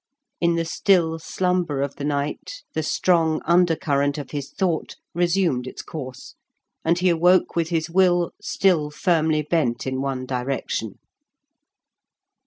In the still slumber of the night the strong undercurrent of his thought resumed its course, and he awoke with his will still firmly bent in one direction.